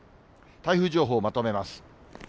台風情報をまとめます。